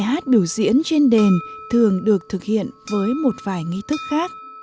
xưa kia bài hát biểu diễn trên đền thường được thực hiện với một vài nghi thức khác